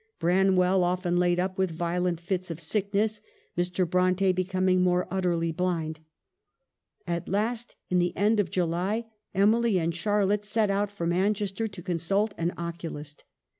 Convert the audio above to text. Branwell often laid up with violent fits of sickness, Mr. Bronte becoming more utterly blind. At last, in the end of July, Emily and Charlotte set out for Manchester to consult an oculist.